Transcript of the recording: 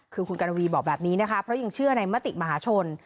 คือคุณกัณวีบอกแบบนี้นะคะเพราะยังเชื่อในมติมหาชน